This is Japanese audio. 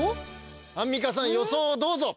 アンミカさん予想をどうぞ。